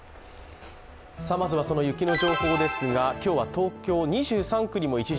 まずは雪の情報ですが、今日は東京２３区にも一時